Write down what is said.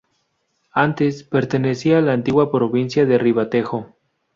Antes, pertenecía a la antigua provincia de Ribatejo.